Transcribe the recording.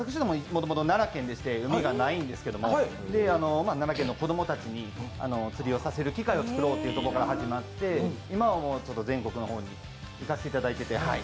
もともと奈良県で海がないんですけれども、奈良県の子供たちに釣りをさせる機会を作ろうというところから始まって今は、もう全国の方に行かせていただいていて。